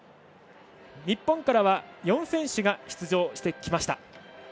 日本からは４選手が出場してきました。